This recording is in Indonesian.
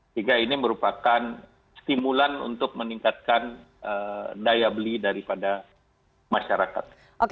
jadi ini merupakan stimulan untuk meningkatkan daya beli daripada masyarakat